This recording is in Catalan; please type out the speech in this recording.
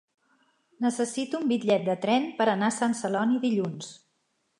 Necessito un bitllet de tren per anar a Sant Celoni dilluns.